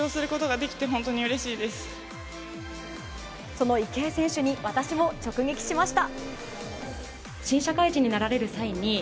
その池江選手に私も直撃しました。